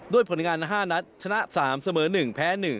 ผลงาน๕นัดชนะ๓เสมอ๑แพ้๑